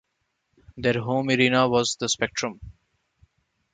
Their home arena was the Spectrum.